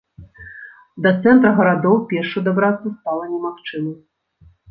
Да цэнтра гарадоў пешшу дабрацца стала немагчыма.